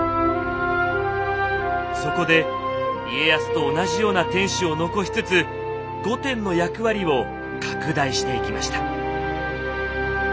そこで家康と同じような天守を残しつつ御殿の役割を拡大していきました。